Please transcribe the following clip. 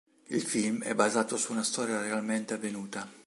Il film è basato su una storia realmente avvenuta.